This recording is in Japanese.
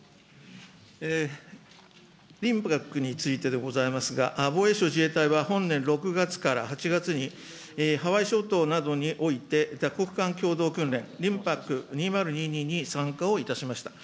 リムパックについてでございますが、防衛省自衛隊は本年６月から８月に、ハワイ諸島などにおいて、多国間共同訓練、リムパック２０２２に参加をいたしました。